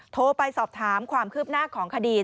โทรไปสอบถามความคืบหน้าของคดี